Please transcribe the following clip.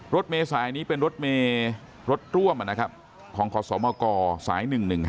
รถเมษายนี้เป็นรถเมย์รถร่วมของขอสมกสาย๑๑๕